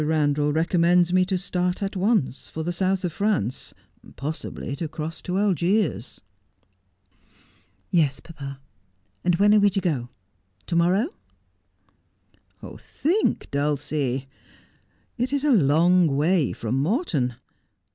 Eandal recommends me to start at once for the south of France, possibly to cross to Algiers.' ' Yes, papa. When are we to go 1 To morrow ?'' Think, Dulcie ! It is a long way from Morton.